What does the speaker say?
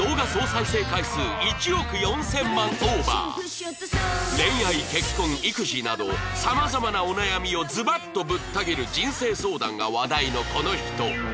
今夜のゲストは恋愛結婚育児などさまざまなお悩みをズバッとぶった斬る人生相談が話題のこの人